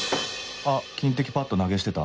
あっ金的パッド投げ捨てた